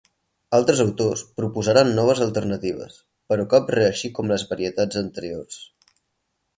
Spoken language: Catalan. Altres autors proposaren noves alternatives, però cap reeixí com les varietats anteriors.